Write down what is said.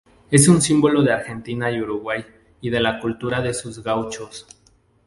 Es un símbolo de Argentina y Uruguay y de la cultura de sus gauchos.